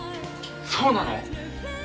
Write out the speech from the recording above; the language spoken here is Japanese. そうなの？